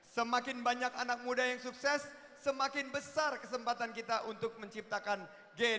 semakin banyak anak muda yang sukses semakin besar kesempatan kita untuk menciptakan game